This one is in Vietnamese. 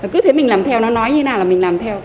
cứ thế mình làm theo nó nói như thế nào là mình làm theo